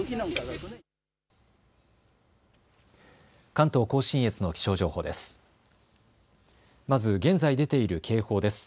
関東甲信越の気象情報です。